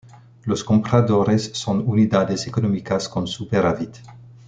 Los compradores son unidades económicas con superávit.